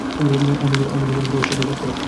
আমাকে ওর সাথে বসতেই হবে!